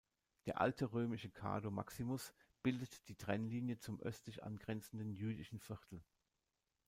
Der alte römische Cardo maximus bildet die Trennlinie zum östlich angrenzenden Jüdischen Viertel.